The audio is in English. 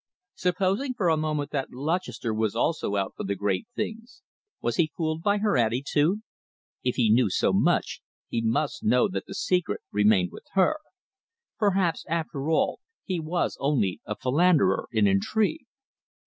Supposing for a moment that Lutchester was also out for the great things, was he fooled by her attitude? If he knew so much, he must know that the secret remained with her. Perhaps, after all, he was only a philanderer in intrigue....